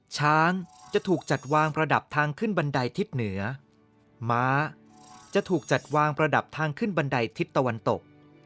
ช้างจะถูกจัดวางประดับทางขึ้นบันไดทิศเหนือม้าจะถูกจัดวางประดับทางขึ้นบันไดทิศตะวันตก